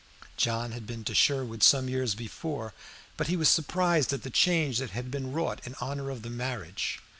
John had been to Sherwood some years before, but he was surprised at the change that had been wrought in honor of the marriage.